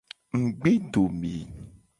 Ngugbedome.